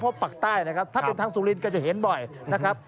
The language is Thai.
เพราะปากใต้นะครับถ้าเป็นทางสุรินก็จะเห็นบ่อยนะครับ